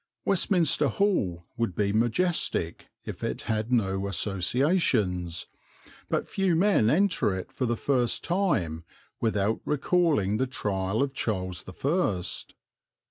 Westminster Hall would be majestic if it had no associations, but few men enter it for the first time without recalling the trial of Charles the First.